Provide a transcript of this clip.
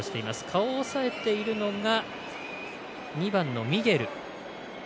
顔を押さえているのが２番のミゲル。